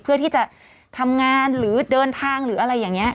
เพื่อที่จะทำงานหรือเดินทางหรืออะไรอย่างนี้